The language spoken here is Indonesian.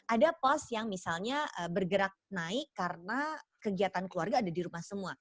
ada pos yang misalnya bergerak naik karena kegiatan keluarga ada di rumah semua